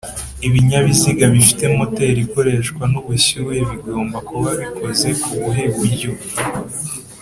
Ibinyabiziga bifite moteri ikoreshwa n’ubushyuhe bigomba kuba bikoze kubuhe buryo